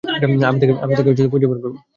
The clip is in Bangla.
আমি তাকে খুঁজে বের করব।